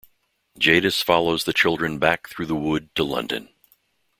Jadis follows the children back through the Wood to London.